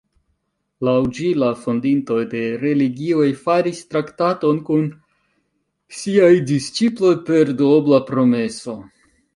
Laŭ ĝi, la fondintoj de religioj faris traktaton kun siaj disĉiploj per duobla promeso.